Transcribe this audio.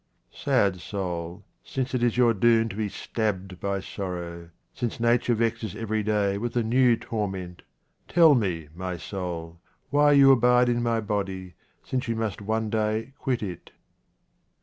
Sad soul, since it is your doom to be stabbed by sorrow, since nature vexes every day with a new torment, tell me, my soul, why you abide in my body, since you must one day quit it